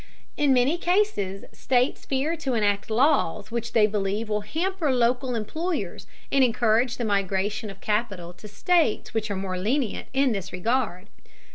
In many cases states fear to enact laws which they believe will hamper local employers and encourage the migration of capital to states which are more lenient in this regard.